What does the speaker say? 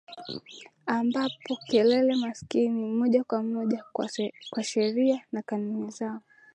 ambapo kelele maskini moja kwa moja kwa sheria na kanuni zao